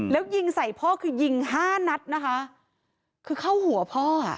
แล้วยิงใส่พ่อคือยิงห้านัดนะคะคือเข้าหัวพ่ออ่ะ